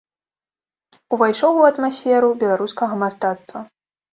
Увайшоў у атмасферу беларускага мастацтва.